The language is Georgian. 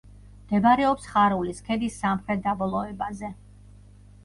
მდებარეობს ხარულის ქედის სამხრეთ დაბოლოებაზე.